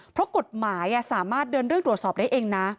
เพราะกฎหมายสามารถเดินเรื่องตรวจสอบได้เองนะ